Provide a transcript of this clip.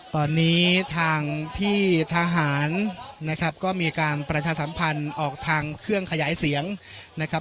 ตอนนี้ทางพี่ทหารนะครับก็มีการประชาสัมพันธ์ออกทางเครื่องขยายเสียงนะครับ